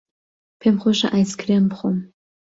پێم خۆشە ئایسکرێم بخۆم.